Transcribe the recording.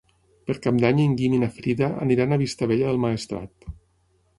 Per Cap d'Any en Guim i na Frida aniran a Vistabella del Maestrat.